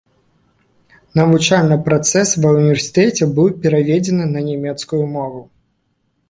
Навучальны працэс ва ўніверсітэце быў пераведзены на нямецкую мову.